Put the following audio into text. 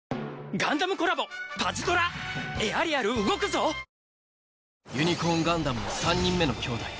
・ゴロゴロゴロユニコーンガンダムの３人目の兄弟